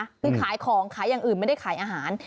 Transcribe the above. คือขายของขายอย่างอื่นไม่ได้ขายอาหาร